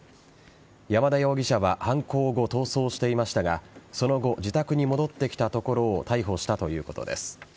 山田容疑者は犯行後逃走していましたがその後自宅に戻ってきたところを逮捕したということです。